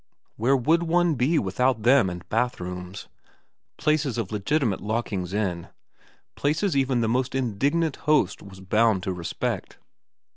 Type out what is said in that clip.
Where would one be without them and bathrooms, places of legitimate lockings in, places even the most indignant host was bound to respect